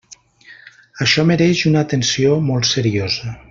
Això mereix una atenció molt seriosa.